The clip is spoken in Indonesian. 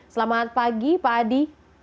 selamat pagi pak adi